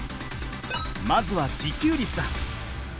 まずは自給率だ。